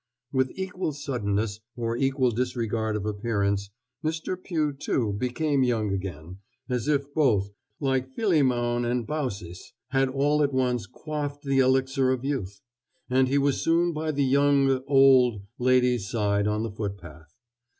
With equal suddenness, or equal disregard of appearance, Mr. Pugh, too, became young again, as if both, like Philemon and Baucis, had all at once quaffed the elixir of youth; and he was soon by the young old lady's side on the footpath.